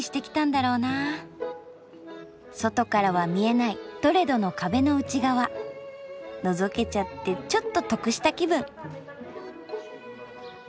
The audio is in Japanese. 外からは見えないトレドの壁の内側のぞけちゃってちょっと得した気分。